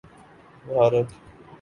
Bharat